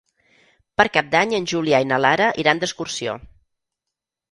Per Cap d'Any en Julià i na Lara iran d'excursió.